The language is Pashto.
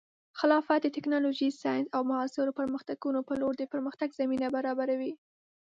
خلافت د ټیکنالوژۍ، ساینس، او معاصرو پرمختګونو په لور د پرمختګ زمینه برابروي.